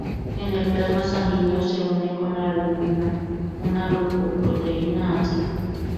En el plasma sanguíneo se une con la albúmina una glucoproteína ácida.